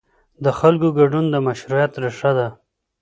د خلکو ګډون د مشروعیت ریښه ده